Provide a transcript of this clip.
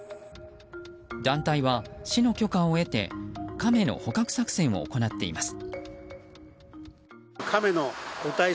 団体は市の許可を得てカメの捕獲作戦を行っています。